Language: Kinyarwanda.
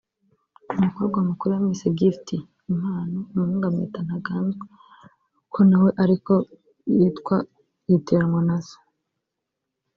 umukobwa mukuru yamwise ’Gift’ [Impano] umuhungu amwita “Ntaganzwa” kuko nawe ariko yitwa yitiranwa na Se